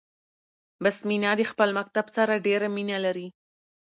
بسمينه د خپل مکتب سره ډيره مينه لري 🏫